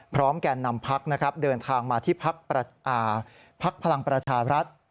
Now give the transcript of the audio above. พร้อมแก่นนำพักเดินทางมาที่พักพลังประชารัฐ